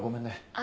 あ。